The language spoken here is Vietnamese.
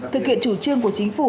thực hiện chủ trương của chính phủ